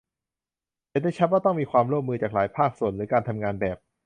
เห็นได้ชัดว่าต้องมีความร่วมมือจากหลายภาคส่วนหรือการทำงานแบบ